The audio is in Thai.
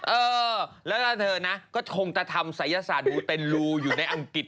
เออแล้วล่ะเธอนะก็คงจะทำศัยศาสตร์ดูเป็นรูอยู่ในอังกฤษ